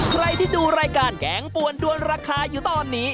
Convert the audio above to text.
ใครที่ดูรายการแกงปวนด้วนราคาอยู่ตอนนี้